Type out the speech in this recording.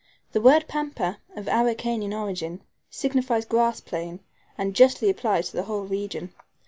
The word PAMPA, of Araucanian origin, signifies grass plain, and justly applies to the whole region.